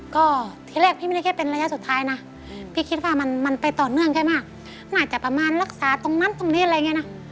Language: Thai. ก็ทีแรกพี่ไม่ได้แค่เป็นระยะสุดท้ายนะพี่คิดว่ามันไปต่อเนื่องแค่มากน่าจะประมาณรักษาตรงนั้นตรงนี้อะไรอย่างนี้นะ